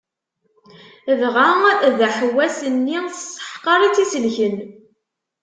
Dɣa d aḥewwas- nni tesseḥqer i tt-id-isellken.